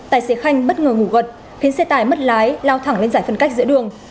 tài xế khanh bất ngờ ngủ gật khiến xe tải mất lái lao thẳng lên giải phân cách giữa đường